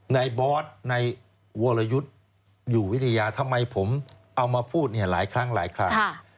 บอสในวรยุทธ์อยู่วิทยาทำไมผมเอามาพูดเนี่ยหลายครั้งหลายครั้ง